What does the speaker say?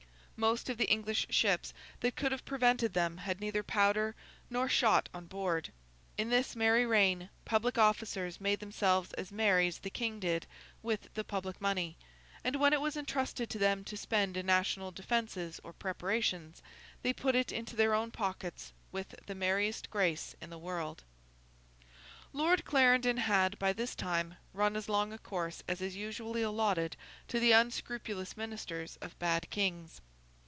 Most of the English ships that could have prevented them had neither powder nor shot on board; in this merry reign, public officers made themselves as merry as the King did with the public money; and when it was entrusted to them to spend in national defences or preparations, they put it into their own pockets with the merriest grace in the world. Lord Clarendon had, by this time, run as long a course as is usually allotted to the unscrupulous ministers of bad kings.